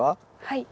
はい。